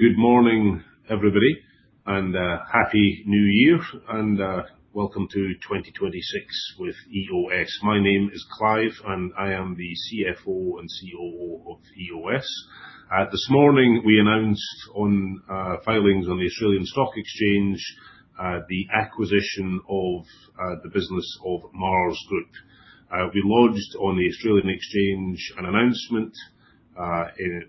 Good morning, everybody, and happy New Year, and welcome to 2026 with EOS. My name is Clive, and I am the CFO and COO of EOS. This morning, we announced on filings on the Australian Securities Exchange the acquisition of the business of MARSS Group. We lodged on the Australian Exchange an announcement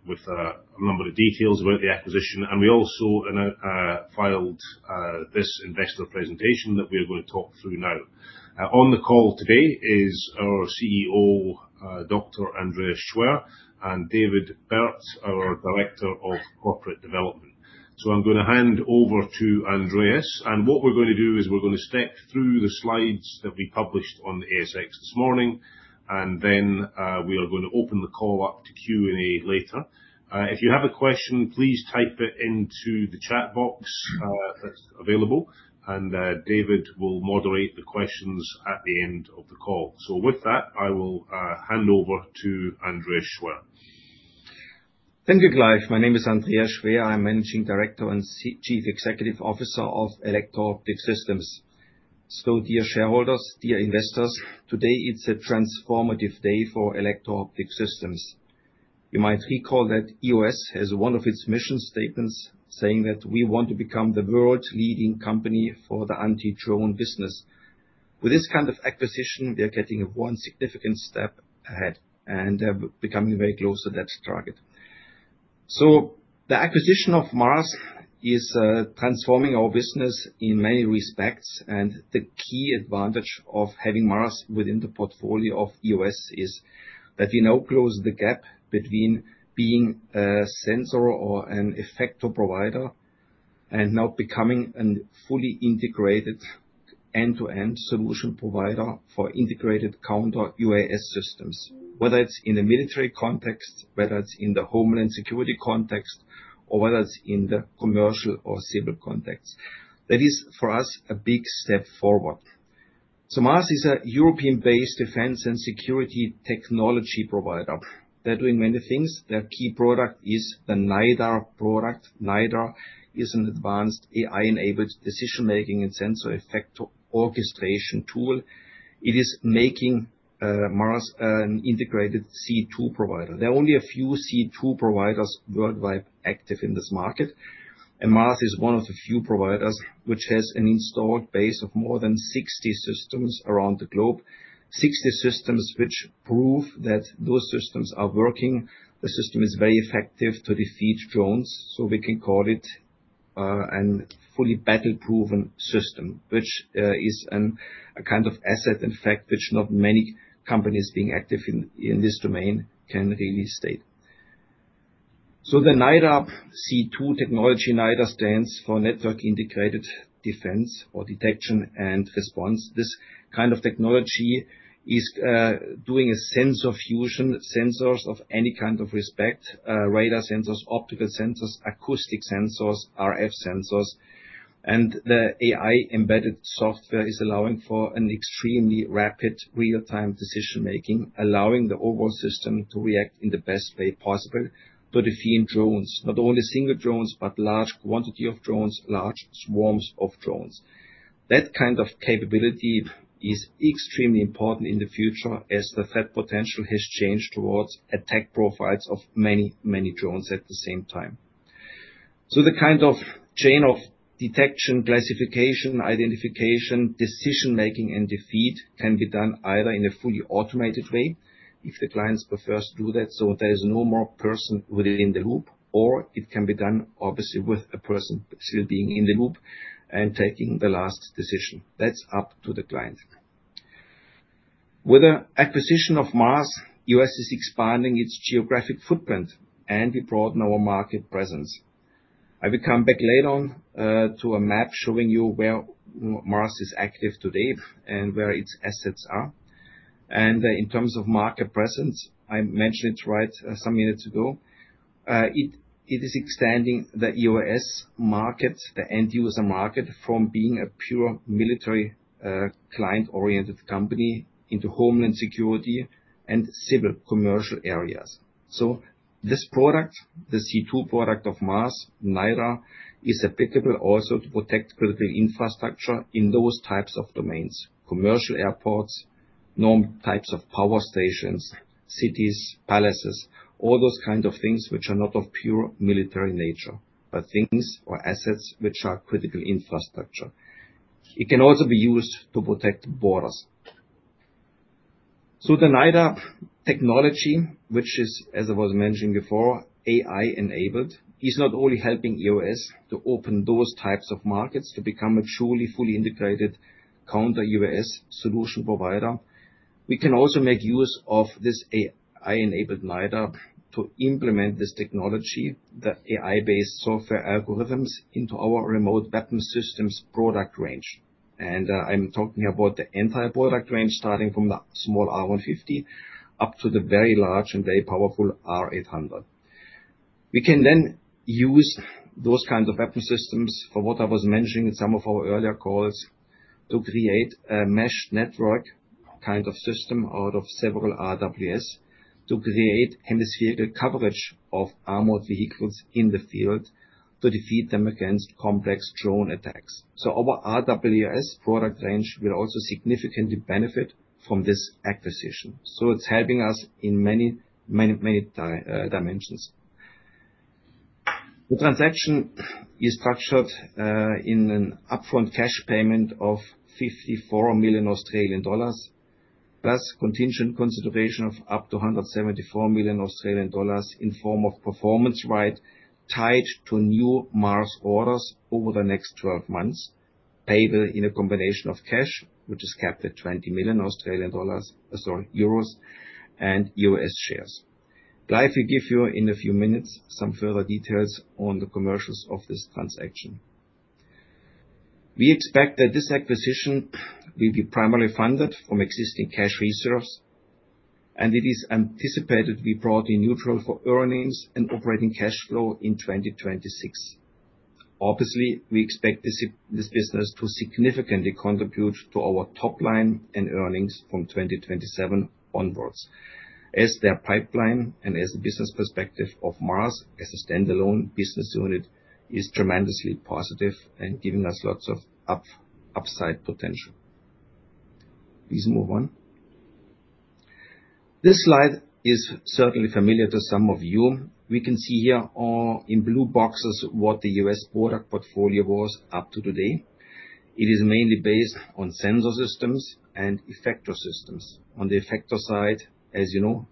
with a number of details about the acquisition, and we also filed this investor presentation that we are going to talk through now. On the call today is our CEO, Dr. Andreas Schwer, and David Burt, our Director of Corporate Development. So I'm going to hand over to Andreas. And what we're going to do is we're going to step through the slides that we published on the ASX this morning, and then we are going to open the call up to Q&A later. If you have a question, please type it into the chat box that's available, and David will moderate the questions at the end of the call, so with that, I will hand over to Andreas Schwer. Thank you, Clive. My name is Andreas Schwer. I'm Managing Director and Chief Executive Officer of Electro Optic Systems. So, dear shareholders, dear investors, today is a transformative day for Electro Optic Systems. You might recall that EOS has one of its mission statements saying that we want to become the world-leading company for the anti-drone business. With this kind of acquisition, we are getting one significant step ahead and becoming very close to that target. So the acquisition of MARSS is transforming our business in many respects, and the key advantage of having MARSS within the portfolio of EOS is that we now close the gap between being a sensor or an effector provider and now becoming a fully integrated end-to-end solution provider for integrated counter-UAS systems, whether it's in the military context, whether it's in the homeland security context, or whether it's in the commercial or civil context. That is, for us, a big step forward. So MARSS is a European-based defense and security technology provider. They're doing many things. Their key product is the NiDAR product. NiDAR is an advanced AI-enabled decision-making and sensor effector orchestration tool. It is making MARSS an integrated C2 provider. There are only a few C2 providers worldwide active in this market, and MARSS is one of the few providers which has an installed base of more than 60 systems around the globe, 60 systems which prove that those systems are working. The system is very effective to defeat drones, so we can call it a fully battle-proven system, which is a kind of asset, in fact, which not many companies being active in this domain can really state. So the NiDAR C2 technology, NiDAR, stands for Network Integrated Defense or Detection and Response. This kind of technology is doing a sensor fusion: sensors of any kind, radar sensors, optical sensors, acoustic sensors, RF sensors, and the AI-embedded software is allowing for an extremely rapid real-time decision-making, allowing the overall system to react in the best way possible to defeat drones, not only single drones, but large quantities of drones, large swarms of drones. That kind of capability is extremely important in the future as the threat potential has changed towards attack profiles of many, many drones at the same time, so the kind of chain of detection, classification, identification, decision-making, and defeat can be done either in a fully automated way if the client prefers to do that, so there is no more person within the loop, or it can be done, obviously, with a person still being in the loop and taking the last decision. That's up to the client. With the acquisition of MARSS, EOS is expanding its geographic footprint, and we broaden our market presence. I will come back later on to a map showing you where MARSS is active today and where its assets are. And in terms of market presence, I mentioned it right some minutes ago. It is extending the EOS market, the end-user market, from being a pure military client-oriented company into homeland security and civil commercial areas. So this product, the C2 product of MARSS, NiDAR, is applicable also to protect critical infrastructure in those types of domains: commercial airports, known types of power stations, cities, palaces, all those kinds of things which are not of pure military nature, but things or assets which are critical infrastructure. It can also be used to protect borders. The NiDAR technology, which is, as I was mentioning before, AI-enabled, is not only helping EOS to open those types of markets to become a truly fully integrated counter-UAS solution provider. We can also make use of this AI-enabled NiDAR to implement this technology, the AI-based software algorithms, into our Remote Weapon Systems product range. And I'm talking about the entire product range, starting from the small R150 up to the very large and very powerful R800. We can then use those kinds of weapon systems, for what I was mentioning in some of our earlier calls, to create a mesh network kind of system out of several RWS to create hemispherical coverage of armored vehicles in the field to defeat them against complex drone attacks. So our RWS product range will also significantly benefit from this acquisition. So it's helping us in many, many, many dimensions. The transaction is structured in an upfront cash payment of 54 million Australian dollars plus contingent consideration of up to 174 million Australian dollars in form of performance right tied to new MARSS orders over the next 12 months, payable in a combination of cash, which is capped at EUR 20 million, and EOS shares. Clive will give you in a few minutes some further details on the commercials of this transaction. We expect that this acquisition will be primarily funded from existing cash reserves, and it is anticipated to be broadly neutral for earnings and operating cash flow in 2026. Obviously, we expect this business to significantly contribute to our top line and earnings from 2027 onwards as their pipeline and as the business perspective of MARSS as a standalone business unit is tremendously positive and giving us lots of upside potential. Please move on. This slide is certainly familiar to some of you. We can see here in blue boxes what the EOS product portfolio was up to today. It is mainly based on sensor systems and effector systems. On the effector side, as you know,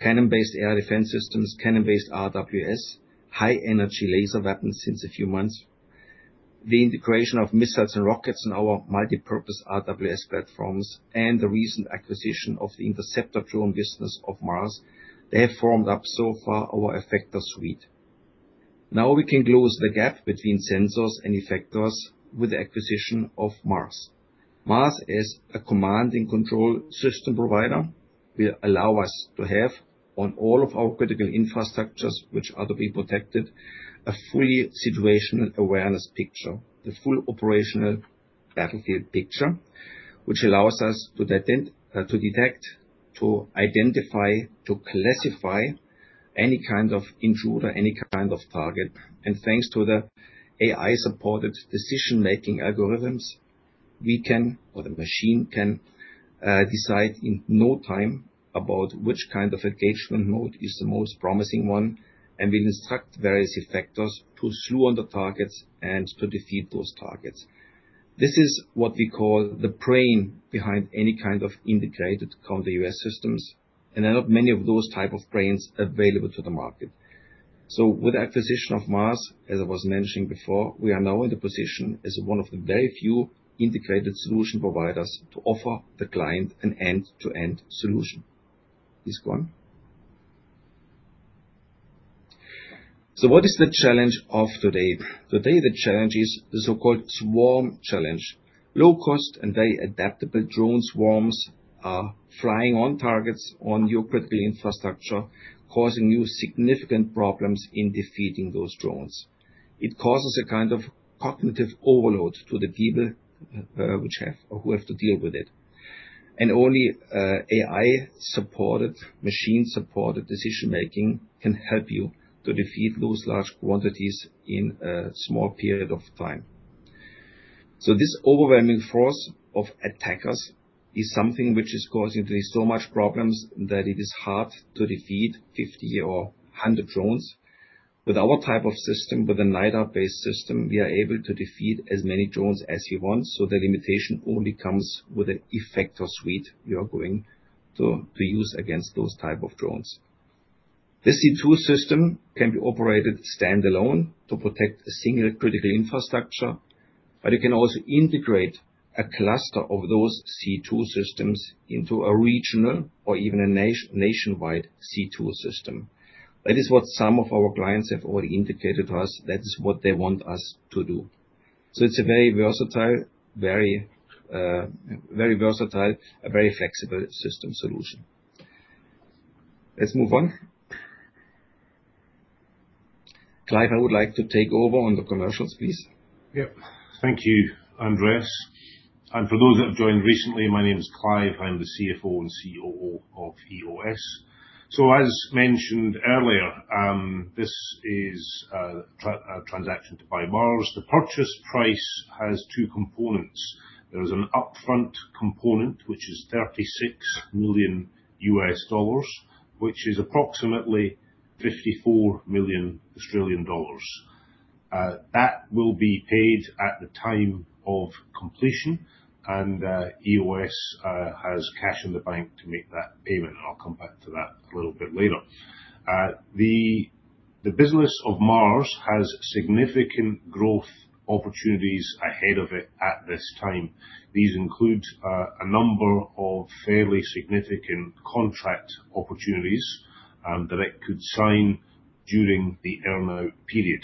cannon-based air defense systems, cannon-based RWS, high-energy laser weapons since a few months, the integration of missiles and rockets in our multi-purpose RWS platforms, and the recent acquisition of the interceptor drone business of MARSS. They have formed up so far our effector suite. Now we can close the gap between sensors and effectors with the acquisition of MARSS. MARSS, as a command and control system provider, will allow us to have on all of our critical infrastructures, which are to be protected, a fully situational awareness picture, the full operational battlefield picture, which allows us to detect, to identify, to classify any kind of intruder, any kind of target, and thanks to the AI-supported decision-making algorithms, we can, or the machine can, decide in no time about which kind of engagement mode is the most promising one, and we'll instruct various effectors to slew on the targets and to defeat those targets. This is what we call the brain behind any kind of integrated counter-UAS systems, and there are not many of those types of brains available to the market. With the acquisition of MARSS, as I was mentioning before, we are now in the position as one of the very few integrated solution providers to offer the client an end-to-end solution. Please go on. So what is the challenge of today? Today, the challenge is the so-called swarm challenge. Low-cost and very adaptable drone swarms are flying on targets on your critical infrastructure, causing you significant problems in defeating those drones. It causes a kind of cognitive overload to the people who have to deal with it. And only AI-supported, machine-supported decision-making can help you to defeat those large quantities in a small period of time. So this overwhelming force of attackers is something which is causing so much problems that it is hard to defeat 50 or 100 drones. With our type of system, with a NiDAR-based system, we are able to defeat as many drones as we want. So the limitation only comes with an effector suite you are going to use against those types of drones. The C2 system can be operated standalone to protect a single critical infrastructure, but you can also integrate a cluster of those C2 systems into a regional or even a nationwide C2 system. That is what some of our clients have already indicated to us. That is what they want us to do. So it's a very versatile, very versatile, a very flexible system solution. Let's move on. Clive, I would like to take over on the commercials, please. Yep. Thank you, Andreas. And for those that have joined recently, my name is Clive. I'm the CFO and COO of EOS. So as mentioned earlier, this is a transaction to buy MARSS. The purchase price has two components. There is an upfront component, which is $36 million, which is approximately 54 million Australian dollars. That will be paid at the time of completion, and EOS has cash in the bank to make that payment. I'll come back to that a little bit later. The business of MARSS has significant growth opportunities ahead of it at this time. These include a number of fairly significant contract opportunities that it could sign during the earnout period.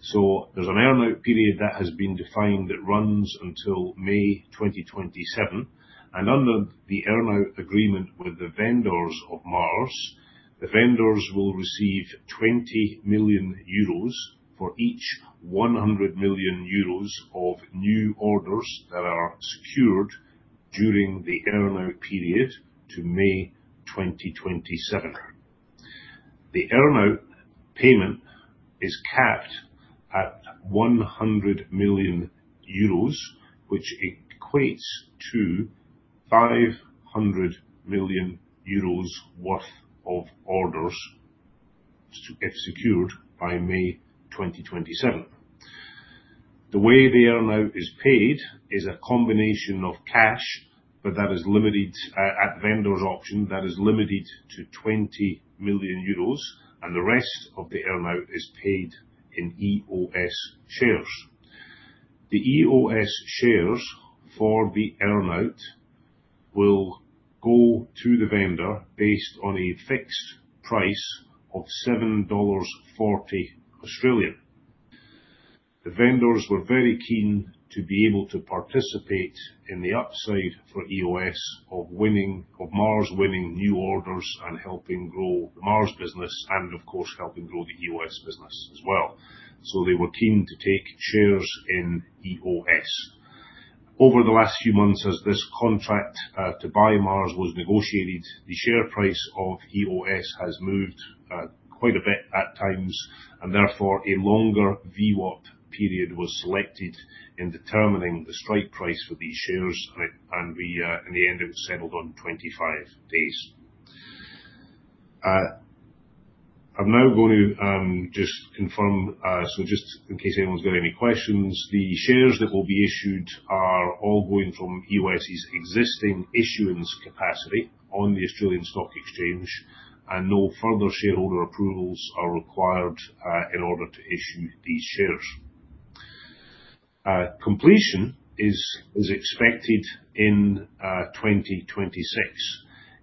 So there's an earnout period that has been defined that runs until May 2027. Under the earnout agreement with the vendors of MARSS, the vendors will receive 20 million euros for each 100 million euros of new orders that are secured during the earnout period to May 2027. The earnout payment is capped at 100 million euros, which equates to 500 million euros worth of orders to get secured by May 2027. The way the earnout is paid is a combination of cash, but that is limited at vendors' option, that is limited to 20 million euros, and the rest of the earnout is paid in EOS shares. The EOS shares for the earnout will go to the vendor based on a fixed price of 7.40 Australian dollars. The vendors were very keen to be able to participate in the upside for EOS of MARSS winning new orders and helping grow the MARSS business and, of course, helping grow the EOS business as well. They were keen to take shares in EOS. Over the last few months, as this contract to buy MARSS was negotiated, the share price of EOS has moved quite a bit at times, and therefore a longer VWAP period was selected in determining the strike price for these shares, and in the end, it was settled on 25 days. I'm now going to just confirm, so just in case anyone's got any questions, the shares that will be issued are all going from EOS's existing issuance capacity on the Australian Securities Exchange, and no further shareholder approvals are required in order to issue these shares. Completion is expected in 2026.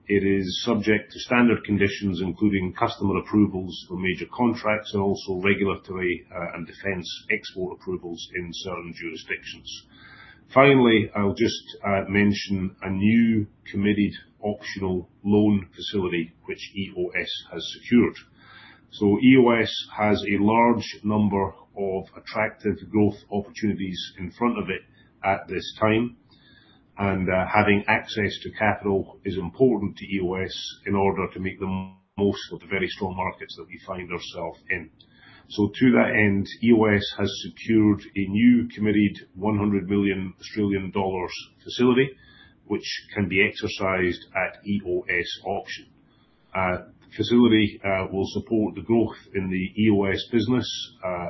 It is subject to standard conditions, including customer approvals for major contracts and also regulatory and defense export approvals in certain jurisdictions. Finally, I'll just mention a new committed optional loan facility which EOS has secured. EOS has a large number of attractive growth opportunities in front of it at this time, and having access to capital is important to EOS in order to make the most of the very strong markets that we find ourselves in. To that end, EOS has secured a new committed 100 million Australian dollars facility, which can be exercised at EOS's option. The facility will support the growth in the EOS business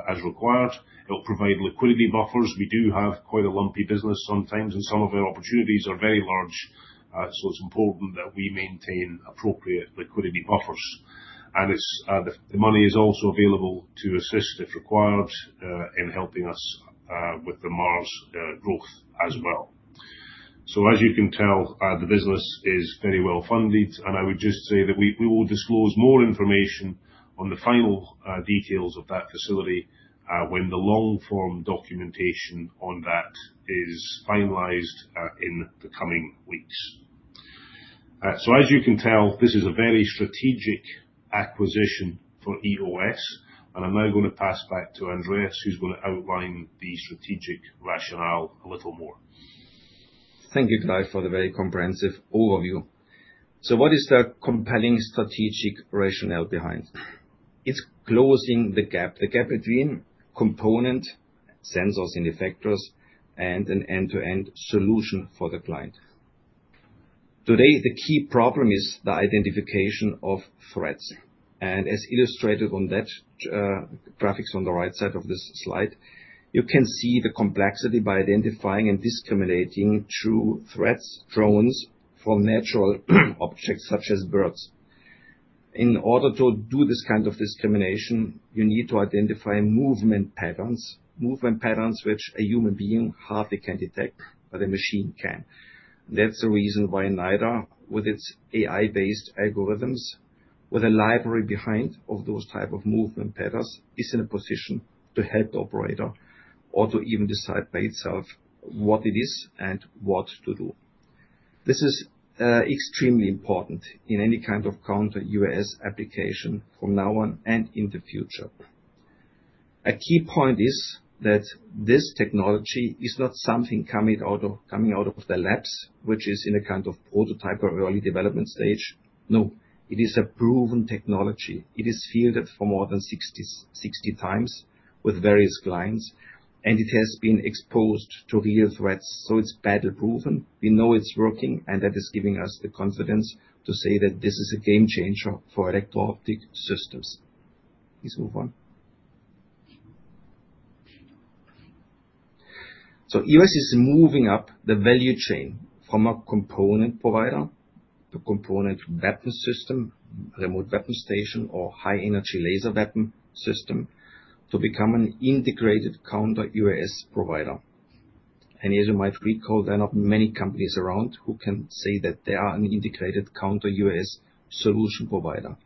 as required. It'll provide liquidity buffers. We do have quite a lumpy business sometimes, and some of our opportunities are very large, so it's important that we maintain appropriate liquidity buffers. The money is also available to assist if required in helping us with the MARSS growth as well. So as you can tell, the business is very well funded, and I would just say that we will disclose more information on the final details of that facility when the long-form documentation on that is finalized in the coming weeks. So as you can tell, this is a very strategic acquisition for EOS, and I'm now going to pass back to Andreas, who's going to outline the strategic rationale a little more. Thank you, Clive, for the very comprehensive overview. So what is the compelling strategic rationale behind? It's closing the gap between component sensors and effectors and an end-to-end solution for the client. Today, the key problem is the identification of threats. And as illustrated on that graphics on the right side of this slide, you can see the complexity by identifying and discriminating true threats, drones from natural objects such as birds. In order to do this kind of discrimination, you need to identify movement patterns which a human being hardly can detect, but a machine can. That's the reason why NiDAR, with its AI-based algorithms, with a library behind of those types of movement patterns, is in a position to help the operator or to even decide by itself what it is and what to do. This is extremely important in any kind of counter-UAS application from now on and in the future. A key point is that this technology is not something coming out of the labs, which is in a kind of prototype or early development stage. No, it is a proven technology. It is fielded for more than 60x with various clients, and it has been exposed to real threats. So it's battle proven. We know it's working, and that is giving us the confidence to say that this is a game changer for Electro Optic Systems. Please move on. So EOS is moving up the value chain from a component provider, a component weapon system, remote weapon station, or high-energy laser weapon system to become an integrated counter-UAS provider. And as you might recall, there are not many companies around who can say that they are an integrated counter-UAS solution provider.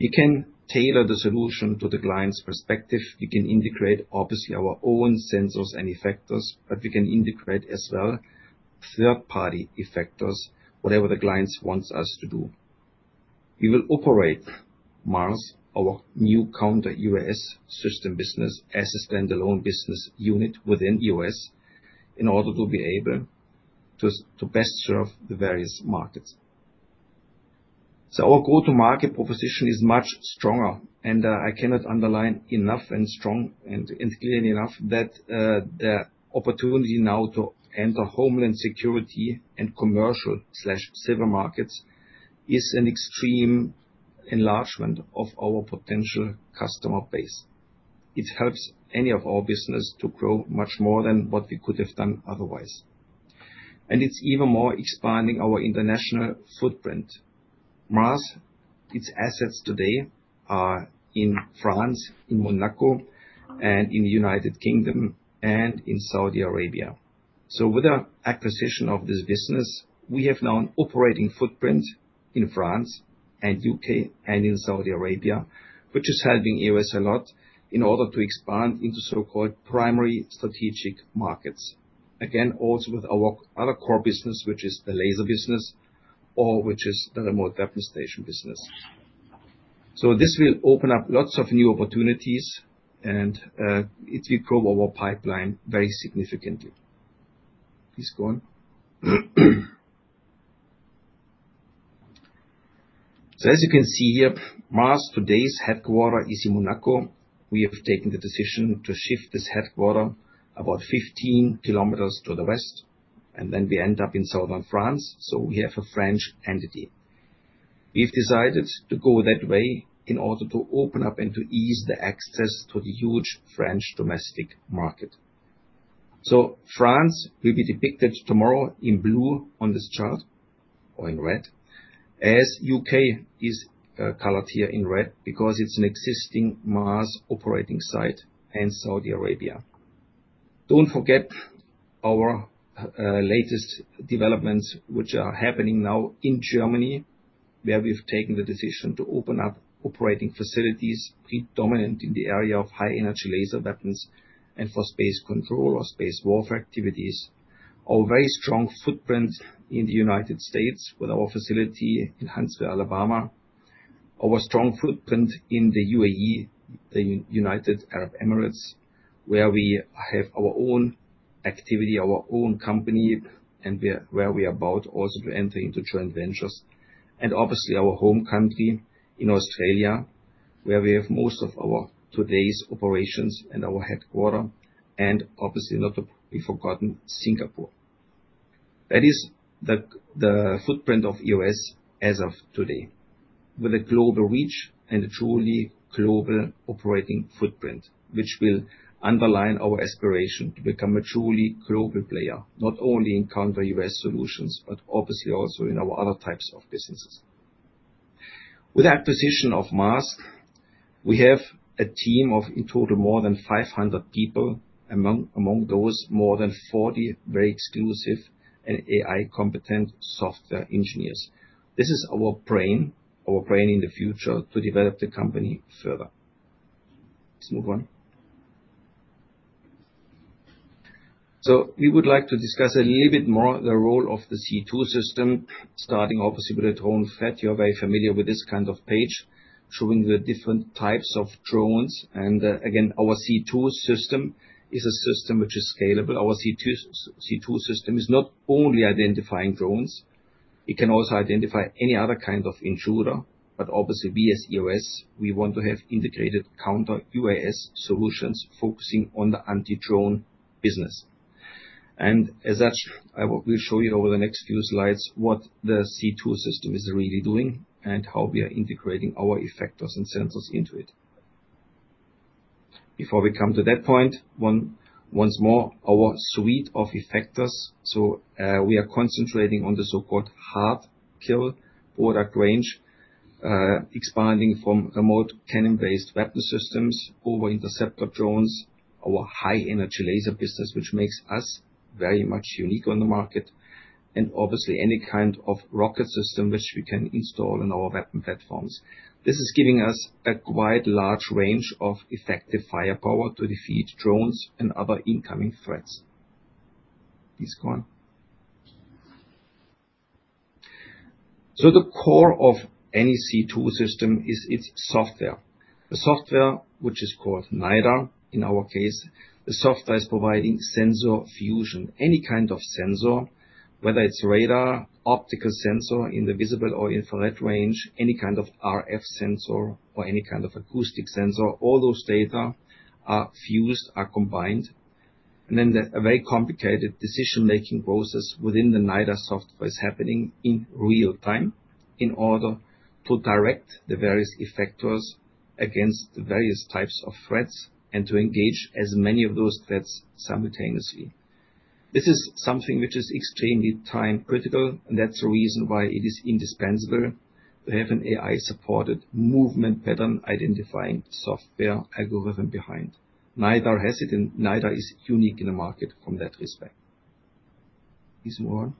We can tailor the solution to the client's perspective. We can integrate, obviously, our own sensors and effectors, but we can integrate as well third-party effectors, whatever the client wants us to do. We will operate MARSS, our new counter-UAS system business, as a standalone business unit within EOS in order to be able to best serve the various markets. Our go-to-market proposition is much stronger, and I cannot underline enough and strong and clearly enough that the opportunity now to enter homeland security and commercial/civil markets is an extreme enlargement of our potential customer base. It helps any of our business to grow much more than what we could have done otherwise. It's even more expanding our international footprint. MARSS, its assets today are in France, in Monaco, and in the United Kingdom and in Saudi Arabia. With the acquisition of this business, we have now an operating footprint in France and U.K. and in Saudi Arabia, which is helping EOS a lot in order to expand into so-called primary strategic markets. Again, also with our other core business, which is the laser business or which is the remote weapon station business. So this will open up lots of new opportunities, and it will grow our pipeline very significantly. Please go on. As you can see here, MARSS today's headquarters is in Monaco. We have taken the decision to shift this headquarters about 15 km to the west, and then we end up in southern France. So we have a French entity. We've decided to go that way in order to open up and to ease the access to the huge French domestic market. France will be depicted tomorrow in blue on this chart or in red, as the U.K. is colored here in red because it is an existing MARSS operating site and Saudi Arabia. Do not forget our latest developments, which are happening now in Germany, where we have taken the decision to open up operating facilities predominantly in the area of high-energy laser weapons and for space control or space warfare activities. We have a very strong footprint in the United States with our facility in Huntsville, Alabama. We have a strong footprint in the UAE, the United Arab Emirates, where we have our own activity, our own company, and where we are about also to enter into joint ventures. Obviously, our home country is in Australia, where we have most of our today's operations and our headquarters, and obviously not to be forgotten, Singapore. That is the footprint of EOS as of today, with a global reach and a truly global operating footprint, which will underline our aspiration to become a truly global player, not only in counter-UAS solutions, but obviously also in our other types of businesses. With the acquisition of MARSS, we have a team of in total more than 500 people, among those more than 40 very exclusive and AI-competent software engineers. This is our brain, our brain in the future to develop the company further. Please move on. So we would like to discuss a little bit more the role of the C2 system, starting obviously with the drone threat. You're very familiar with this kind of page, showing the different types of drones. And again, our C2 system is a system which is scalable. Our C2 system is not only identifying drones. It can also identify any other kind of intruder, but obviously we, as EOS, we want to have integrated counter-UAS solutions focusing on the anti-drone business. And as such, I will show you over the next few slides what the C2 system is really doing and how we are integrating our effectors and sensors into it. Before we come to that point, once more our suite of effectors, so we are concentrating on the so-called hard kill product range, expanding from remote cannon-based weapon systems over interceptor drones, our high-energy laser business, which makes us very much unique on the market, and obviously any kind of rocket system which we can install in our weapon platforms. This is giving us a quite large range of effective firepower to defeat drones and other incoming threats. Please go on, so the core of any C2 system is its software. The software, which is called NiDAR in our case, the software is providing sensor fusion. Any kind of sensor, whether it's radar, optical sensor in the visible or infrared range, any kind of RF sensor or any kind of acoustic sensor, all those data are fused, are combined. And then a very complicated decision-making process within the NiDAR software is happening in real time in order to direct the various effectors against the various types of threats and to engage as many of those threats simultaneously. This is something which is extremely time-critical, and that's the reason why it is indispensable to have an AI-supported movement pattern identifying software algorithm behind. NiDAR has it, and NiDAR is unique in the market from that respect. Please move on.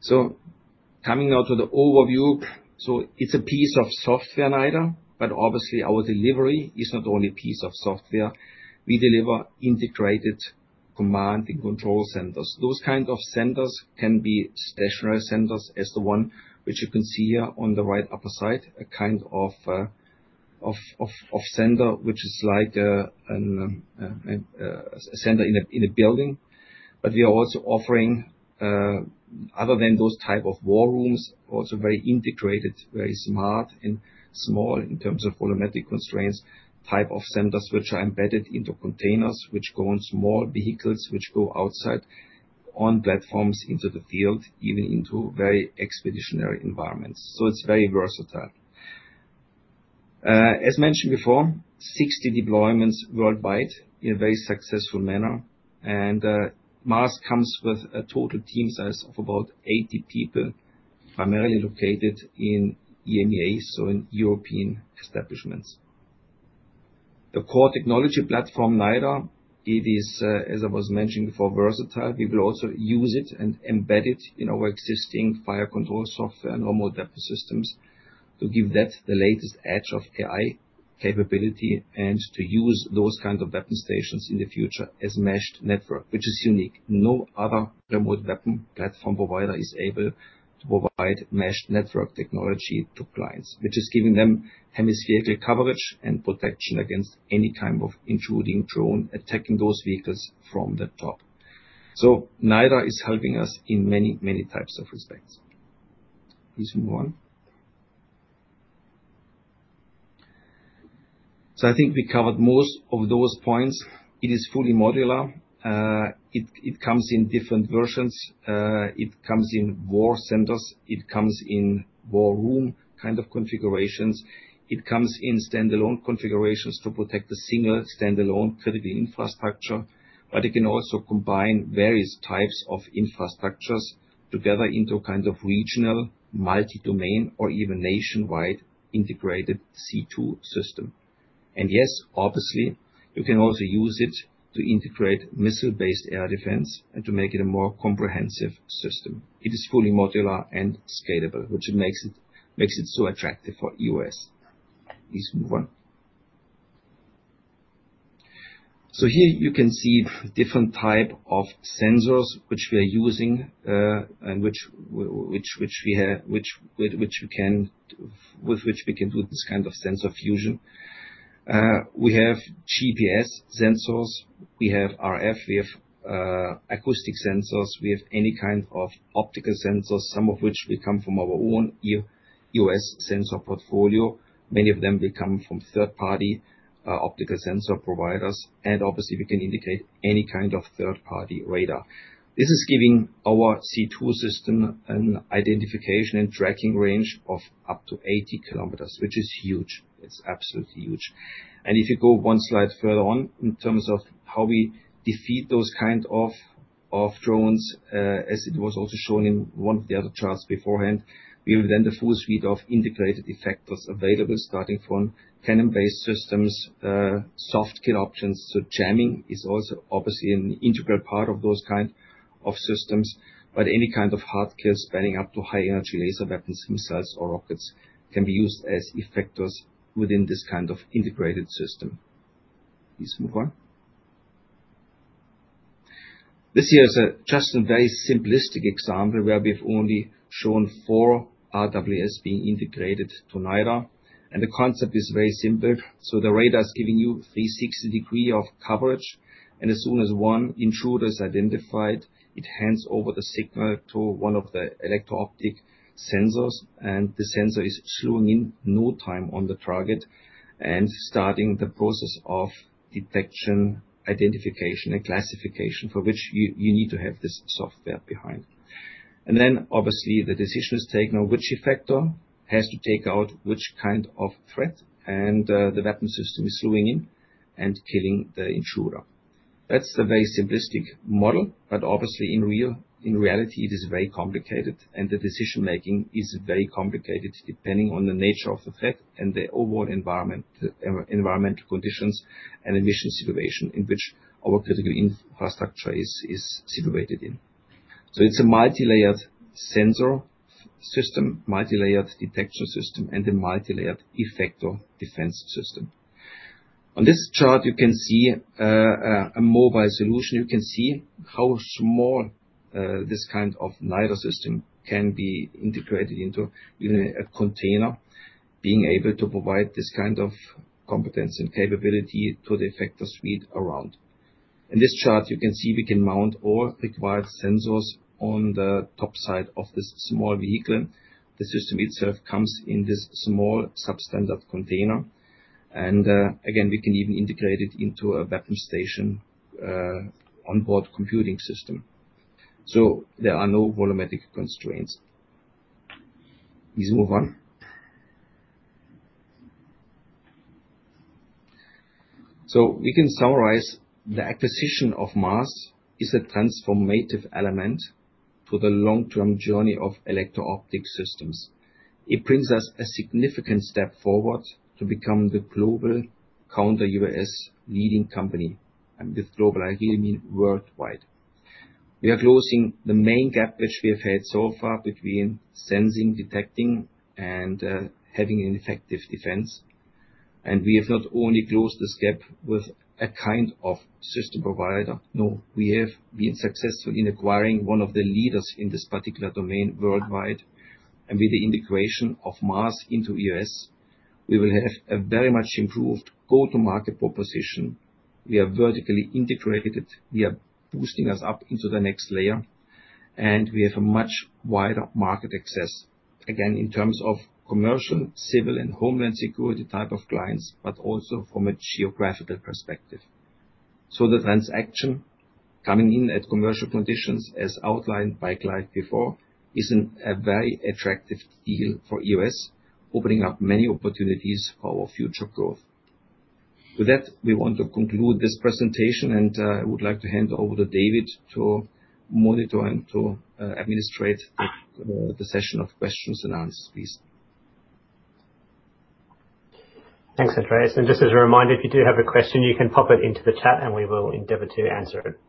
So coming now to the overview. So it's a piece of software, NiDAR, but obviously our delivery is not only a piece of software. We deliver integrated command and control centers. Those kinds of centers can be stationary centers as the one which you can see here on the right upper side, a kind of center which is like a center in a building. But we are also offering, other than those types of war rooms, also very integrated, very smart and small in terms of volumetric constraints, types of centers which are embedded into containers which go on small vehicles which go outside on platforms into the field, even into very expeditionary environments. So it's very versatile. As mentioned before, 60 deployments worldwide in a very successful manner. And MARSS comes with a total team size of about 80 people, primarily located in EMEA, so in European establishments. The core technology platform, NiDAR, it is, as I was mentioning before, versatile. We will also use it and embed it in our existing fire control software and remote weapon systems to give that the latest edge of AI capability and to use those kinds of weapon stations in the future as mesh network, which is unique. No other remote weapon platform provider is able to provide mesh network technology to clients, which is giving them hemispherical coverage and protection against any kind of intruding drone attacking those vehicles from the top. So NiDAR is helping us in many, many types of respects. Please move on. So I think we covered most of those points. It is fully modular. It comes in different versions. It comes in war centers. It comes in war room kind of configurations. It comes in standalone configurations to protect the single standalone critical infrastructure, but it can also combine various types of infrastructures together into a kind of regional multi-domain or even nationwide integrated C2 system, and yes, obviously, you can also use it to integrate missile-based air defense and to make it a more comprehensive system. It is fully modular and scalable, which makes it so attractive for EOS. Please move on, so here you can see different types of sensors which we are using and with which we can do this kind of sensor fusion. We have GPS sensors. We have RF. We have acoustic sensors. We have any kind of optical sensors, some of which come from our own EOS sensor portfolio. Many of them will come from third-party optical sensor providers. And obviously, we can integrate any kind of third-party radar. This is giving our C2 system an identification and tracking range of up to 80 km, which is huge. It's absolutely huge, and if you go one slide further on in terms of how we defeat those kinds of drones, as it was also shown in one of the other charts beforehand, we have then the full suite of integrated effectors available, starting from cannon-based systems, soft kill options. So jamming is also obviously an integral part of those kinds of systems, but any kind of hard kill spanning up to high-energy laser weapons, missiles, or rockets can be used as effectors within this kind of integrated system. Please move on. This here is just a very simplistic example where we've only shown four RWS being integrated to NiDAR, and the concept is very simple, so the radar is giving you 360-degree of coverage. As soon as one intruder is identified, it hands over the signal to one of the electro-optic sensors, and the sensor is slewing in no time on the target and starting the process of detection, identification, and classification for which you need to have this software behind. Then, obviously, the decision is taken on which effector has to take out which kind of threat, and the weapon system is slewing in and killing the intruder. That's the very simplistic model, but obviously, in reality, it is very complicated, and the decision-making is very complicated depending on the nature of the threat and the overall environmental conditions and emission situation in which our critical infrastructure is situated in. It's a multi-layered sensor system, multi-layered detection system, and a multi-layered effector defense system. On this chart, you can see a mobile solution. You can see how small this kind of NiDAR system can be integrated into even a container, being able to provide this kind of competence and capability to the effector suite around. In this chart, you can see we can mount all required sensors on the top side of this small vehicle. The system itself comes in this small substandard container. And again, we can even integrate it into a weapon station onboard computing system. So there are no volumetric constraints. Please move on. We can summarize the acquisition of MARSS is a transformative element to the long-term journey of Electro Optic Systems. It brings us a significant step forward to become the global counter-UAS leading company. And with global, I really mean worldwide. We are closing the main gap which we have had so far between sensing, detecting, and having an effective defense. We have not only closed this gap with a kind of system provider. No, we have been successful in acquiring one of the leaders in this particular domain worldwide. With the integration of MARSS into EOS, we will have a very much improved go-to-market proposition. We are vertically integrated. We are boosting us up into the next layer, and we have a much wider market access, again, in terms of commercial, civil, and homeland security type of clients, but also from a geographical perspective. The transaction coming in at commercial conditions, as outlined by Clive before, is a very attractive deal for EOS, opening up many opportunities for our future growth. With that, we want to conclude this presentation, and I would like to hand over to David to monitor and to administrate the session of questions and answers, please. Thanks, Andreas. Just as a reminder, if you do have a question, you can pop it into the chat, and we will endeavor to answer it.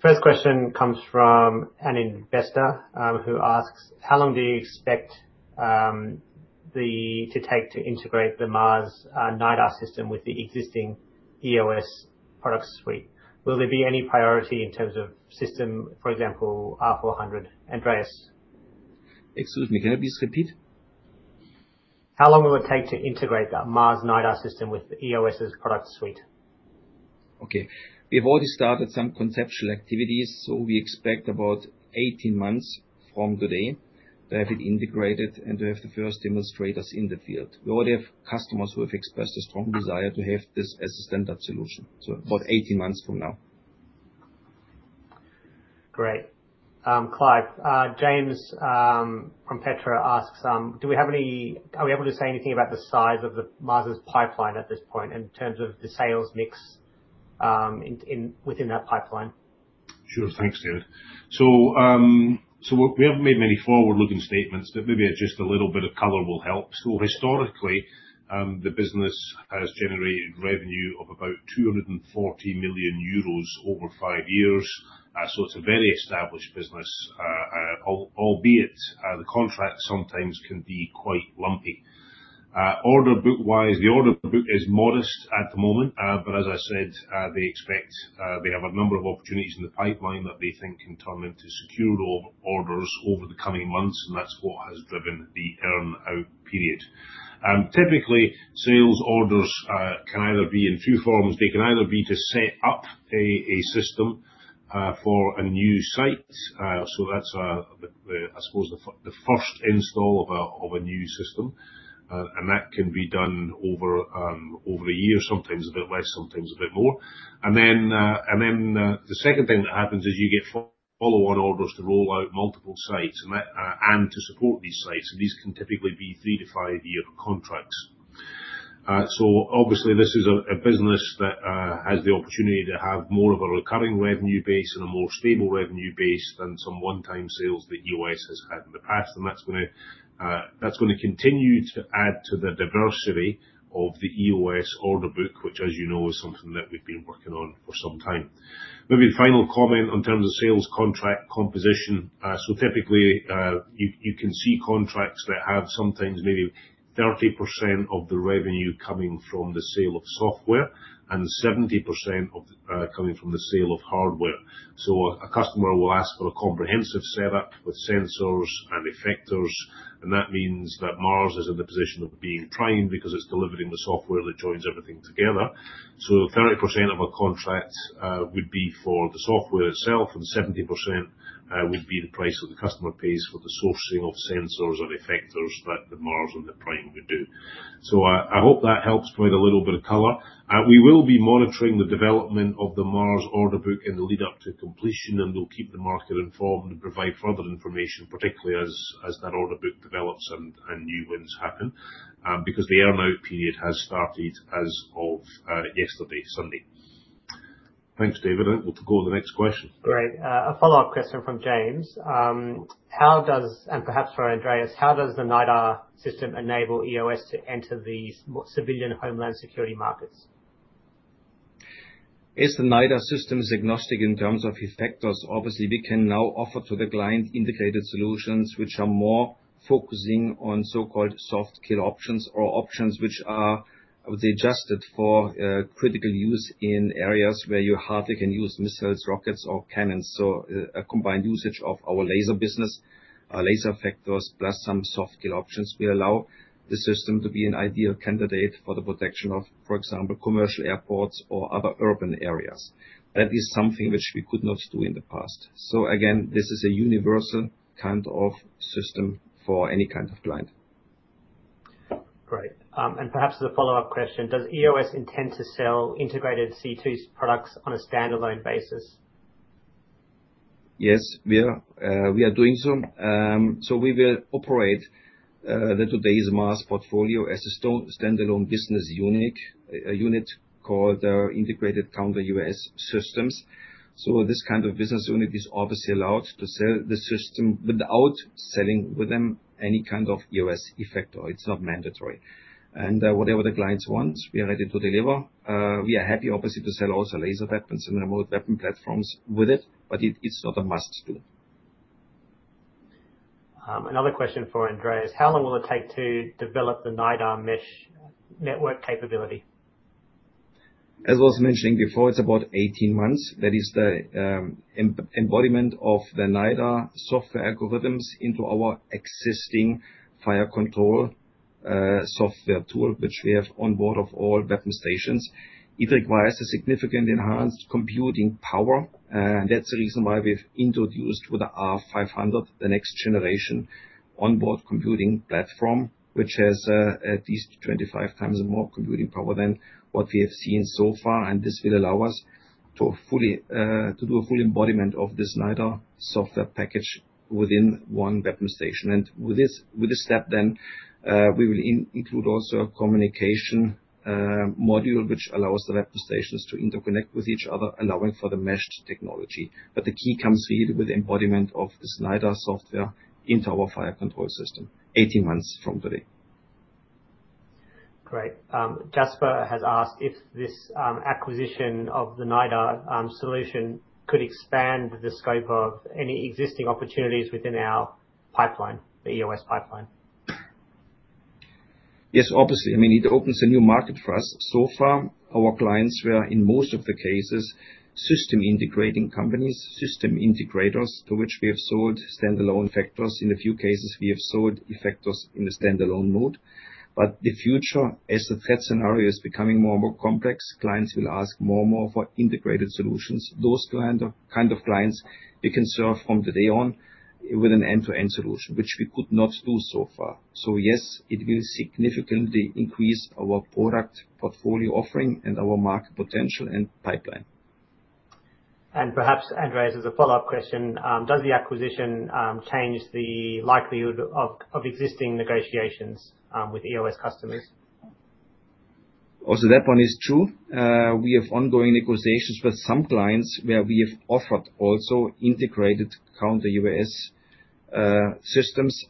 The first question comes from an investor who asks, "How long do you expect it to take to integrate the MARSS NiDAR system with the existing EOS product suite? Will there be any priority in terms of system, for example, R400?" Andreas. Excuse me. Can I please repeat? How long will it take to integrate the MARSS NiDAR system with EOS's product suite? Okay. We have already started some conceptual activities, so we expect about 18 months from today to have it integrated and to have the first demonstrators in the field. We already have customers who have expressed a strong desire to have this as a standard solution. So about 18 months from now. Great. Clive. James from Petra asks, "Do we have any—are we able to say anything about the size of the MARSS's pipeline at this point in terms of the sales mix within that pipeline?" Sure. Thanks, David. So we haven't made many forward-looking statements, but maybe just a little bit of color will help. So historically, the business has generated revenue of about 240 million euros over five years. So it's a very established business, albeit the contracts sometimes can be quite lumpy. Order book-wise, the order book is modest at the moment, but as I said, they expect they have a number of opportunities in the pipeline that they think can turn into secure orders over the coming months, and that's what has driven the earn-out period. Typically, sales orders can either be in two forms. They can either be to set up a system for a new site. So that's, I suppose, the first install of a new system. That can be done over a year, sometimes a bit less, sometimes a bit more. Then the second thing that happens is you get follow-on orders to roll out multiple sites and to support these sites. These can typically be three-to-five-year contracts. Obviously, this is a business that has the opportunity to have more of a recurring revenue base and a more stable revenue base than some one-time sales that EOS has had in the past. That's going to continue to add to the diversity of the EOS order book, which, as you know, is something that we've been working on for some time. Maybe the final comment in terms of sales contract composition. Typically, you can see contracts that have sometimes maybe 30% of the revenue coming from the sale of software and 70% coming from the sale of hardware. A customer will ask for a comprehensive setup with sensors and effectors. That means that MARSS is in the position of being prime because it's delivering the software that joins everything together. 30% of a contract would be for the software itself, and 70% would be the price that the customer pays for the sourcing of sensors and effectors that the MARSS and the prime would do. I hope that helps provide a little bit of color. We will be monitoring the development of the MARSS order book in the lead-up to completion, and we'll keep the market informed and provide further information, particularly as that order book develops and new wins happen, because the earn-out period has started as of yesterday, Sunday. Thanks, David. I think we'll go to the next question. Great. A follow-up question from James. And perhaps for Andreas, how does the NiDAR system enable EOS to enter the civilian homeland security markets? Is the NiDAR systems agnostic in terms of effectors? Obviously, we can now offer to the client integrated solutions which are more focusing on so-called soft kill options or options which are adjusted for critical use in areas where you hardly can use missiles, rockets, or cannons. So a combined usage of our laser business, laser effectors, plus some soft kill options will allow the system to be an ideal candidate for the protection of, for example, commercial airports or other urban areas. That is something which we could not do in the past. So again, this is a universal kind of system for any kind of client. Great. And perhaps as a follow-up question, does EOS intend to sell integrated C2 products on a standalone basis? Yes, we are doing so. So we will operate today's MARSS portfolio as a standalone business unit called Integrated Counter-UAS Systems. So this kind of business unit is obviously allowed to sell the system without selling with them any kind of EOS effector. It's not mandatory. And whatever the client wants, we are ready to deliver. We are happy, obviously, to sell also laser weapons and remote weapon platforms with it, but it's not a must-do. Another question for Andreas. How long will it take to develop the NiDAR mesh network capability? As I was mentioning before, it's about 18 months. That is the embodiment of the NiDAR software algorithms into our existing fire control software tool, which we have onboard of all weapon stations. It requires a significantly enhanced computing power, and that's the reason why we've introduced with the R500, the next generation onboard computing platform, which has at least 25x more computing power than what we have seen so far, and this will allow us to do a full embodiment of this NiDAR software package within one weapon station. With this step, then we will include also a communication module which allows the weapon stations to interconnect with each other, allowing for the meshed technology. The key comes really with the embodiment of this NiDAR software into our fire control system, 18 months from today. Great. Jasper has asked if this acquisition of the NiDAR solution could expand the scope of any existing opportunities within our pipeline, the EOS pipeline. Yes, obviously. I mean, it opens a new market for us. Our clients were in most of the cases system integrating companies, system integrators to which we have sold standalone effectors. In a few cases, we have sold effectors in the standalone mode. The future, as the threat scenario is becoming more and more complex, clients will ask more and more for integrated solutions. Those kinds of clients we can serve from today on with an end-to-end solution, which we could not do so far. So yes, it will significantly increase our product portfolio offering and our market potential and pipeline. And perhaps, Andreas, as a follow-up question, does the acquisition change the likelihood of existing negotiations with EOS customers? Also, that one is true. We have ongoing negotiations with some clients where we have offered also integrated counter-UAS systems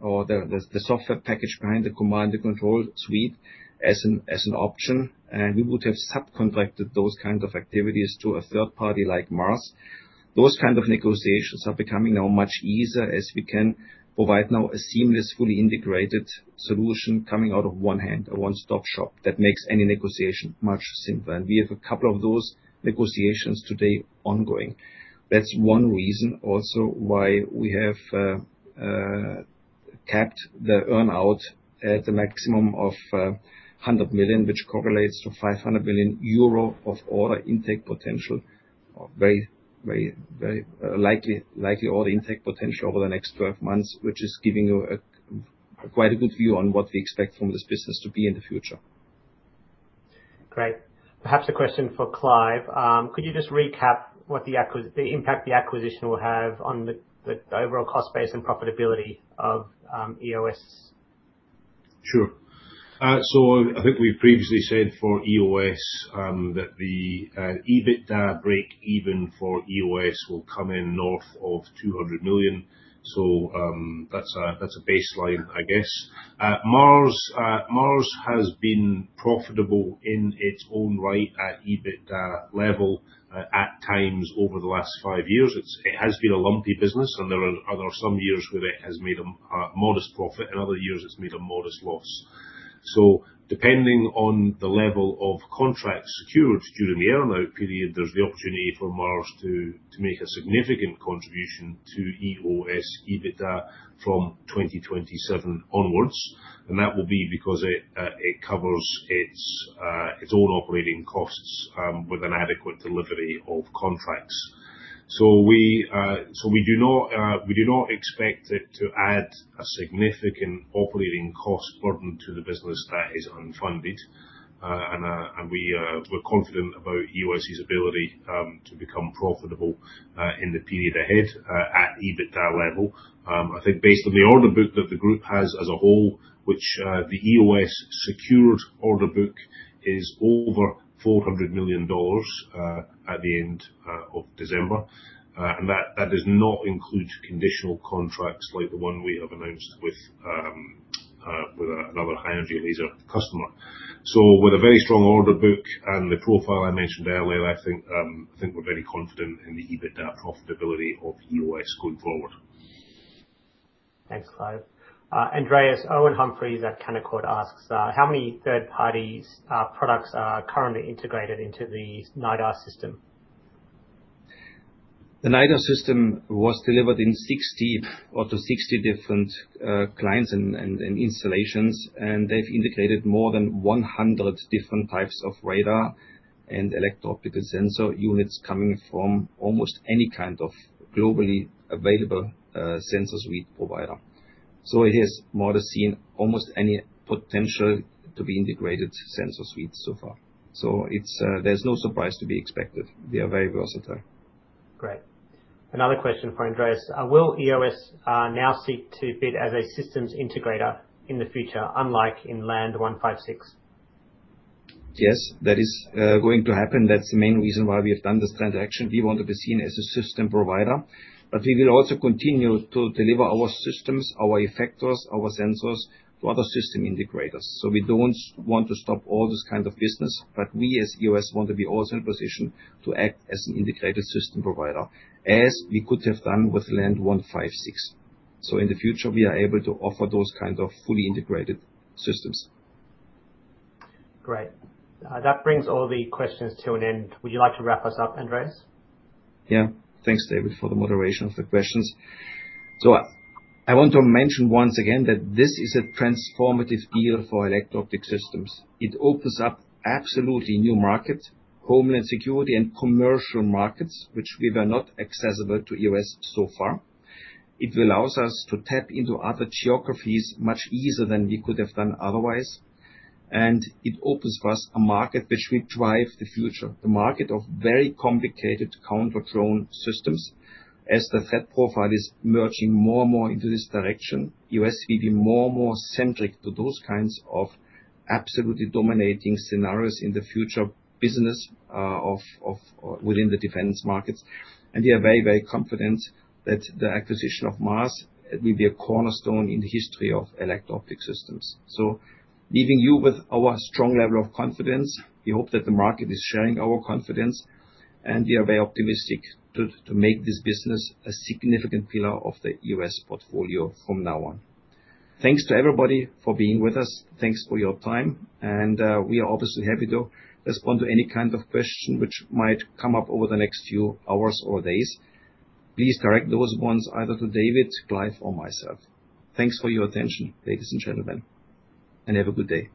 or the software package behind the command and control suite as an option. And we would have subcontracted those kinds of activities to a third party like MARSS. Those kinds of negotiations are becoming now much easier as we can provide now a seamless, fully integrated solution coming out of one hand, a one-stop shop that makes any negotiation much simpler. And we have a couple of those negotiations today ongoing. That's one reason also why we have capped the earn-out at a maximum of 100 million, which correlates to 500 million euro of order intake potential, very likely order intake potential over the next 12 months, which is giving you quite a good view on what we expect from this business to be in the future. Great. Perhaps a question for Clive. Could you just recap what the impact the acquisition will have on the overall cost base and profitability of EOS? Sure. So I think we've previously said for EOS that the EBITDA break even for EOS will come in north of 200 million. So that's a baseline, I guess. MARSS has been profitable in its own right at EBITDA level at times over the last five years. It has been a lumpy business, and there are some years where it has made a modest profit and other years it's made a modest loss. So depending on the level of contracts secured during the earn-out period, there's the opportunity for MARSS to make a significant contribution to EOS EBITDA from 2027 onwards. And that will be because it covers its own operating costs with an adequate delivery of contracts. So we do not expect it to add a significant operating cost burden to the business that is unfunded. And we're confident about EOS's ability to become profitable in the period ahead at EBITDA level. I think based on the order book that the group has as a whole, which the EOS secured order book is over 400 million dollars at the end of December. That does not include conditional contracts like the one we have announced with another high-energy laser customer. With a very strong order book and the profile I mentioned earlier, I think we're very confident in the EBITDA profitability of EOS going forward. Thanks, Clive. Andreas, Owen Humphries at Canaccord asks, "How many third-party products are currently integrated into the NiDAR system?" The NiDAR system was delivered to 60 different clients and installations, and they've integrated more than 100 different types of radar and electro-optical sensor units coming from almost any kind of globally available sensor suite provider. It has mostly seen almost any potential to be integrated sensor suite so far. There's no surprise to be expected. They are very versatile. Great. Another question for Andreas. Will EOS now seek to bid as a systems integrator in the future, unlike in LAND 156? Yes, that is going to happen. That's the main reason why we have done this transaction. We want to be seen as a system provider, but we will also continue to deliver our systems, our effectors, our sensors to other system integrators. So we don't want to stop all this kind of business, but we as EOS want to be also in a position to act as an integrated system provider, as we could have done with LAND 156. So in the future, we are able to offer those kinds of fully integrated systems. Great. That brings all the questions to an end. Would you like to wrap us up, Andreas? Yeah. Thanks, David, for the moderation of the questions. So I want to mention once again that this is a transformative deal for Electro Optic Systems. It opens up absolutely new markets, homeland security, and commercial markets, which we were not accessible to EOS so far. It allows us to tap into other geographies much easier than we could have done otherwise. And it opens for us a market which will drive the future, the market of very complicated counter-drone systems. As the threat profile is merging more and more into this direction, EOS will be more and more centric to those kinds of absolutely dominating scenarios in the future business within the defense markets. And we are very, very confident that the acquisition of MARSS will be a cornerstone in the history of Electro Optic Systems. So leaving you with our strong level of confidence, we hope that the market is sharing our confidence, and we are very optimistic to make this business a significant pillar of the EOS portfolio from now on. Thanks to everybody for being with us. Thanks for your time. And we are obviously happy to respond to any kind of question which might come up over the next few hours or days. Please direct those ones either to David, Clive, or myself. Thanks for your attention, ladies and gentlemen, and have a good day.